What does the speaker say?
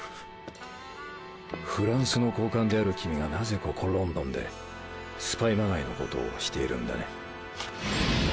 フランスの高官である君がなぜここロンドンでスパイまがいのことをしているんだね？